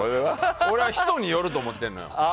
俺は人によると思ってるのよ。